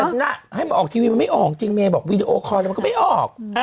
แต่น่ะให้มันออกทีวีมันไม่ออกจริงบอกวีดีโอคอลมันก็ไม่ออก